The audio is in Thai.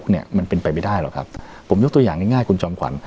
เนี่ยมันเป็นไปไม่ได้หรอกครับผมยกตัวอย่างง่ายคุณจอมขวัญ